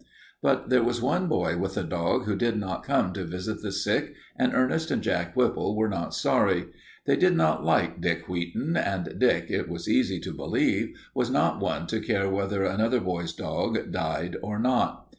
But there was one boy with a dog who did not come to visit the sick, and Ernest and Jack Whipple were not sorry. They did not like Dick Wheaton, and Dick, it was easy to believe, was not one to care whether another boy's dog died or not.